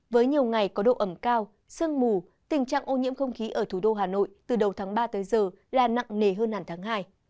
với nhiều ngày có độ ẩm cao sương mù tình trạng ô nhiễm không khí ở thủ đô hà nội từ đầu tháng ba tới giờ là nặng nề hơn hẳn tháng hai